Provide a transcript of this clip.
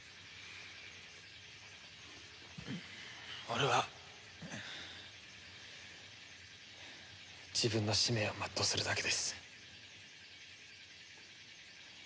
俺は自分の使命を全うするだけです。